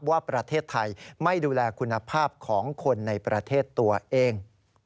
ว่าประเทศไทยไม่ดูแลคุณภาพของคนในประเทศตัวเอง